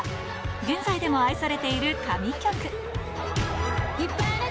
現在でも愛されている神曲。